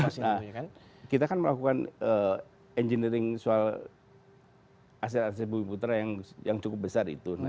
nah kita kan melakukan engineering soal aset aset bumi putra yang cukup besar itu